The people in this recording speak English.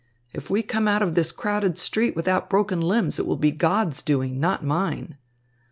If we come out of this crowded street without broken limbs, it will be God's doing, not mine."